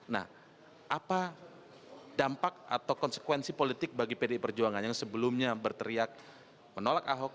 nah apa dampak atau konsekuensi politik bagi pdi perjuangan yang sebelumnya berteriak menolak ahok